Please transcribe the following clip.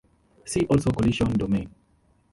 See also collision domain.